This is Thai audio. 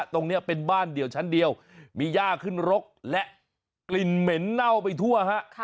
ตรงนี้เป็นบ้านเดี่ยวชั้นเดียวมีย่าขึ้นรกและกลิ่นเหม็นเน่าไปทั่วฮะ